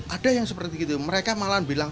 ada yang seperti itu mereka malah bilang